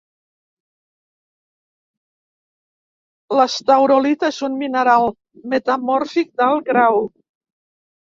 L'estaurolita és un mineral metamòrfic d'alt grau.